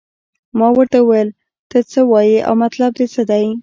ما ورته وویل ته څه وایې او مطلب دې څه دی.